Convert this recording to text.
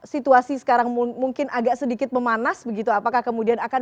situasi sekarang mungkin agak sedikit memanas begitu apakah kemudian akan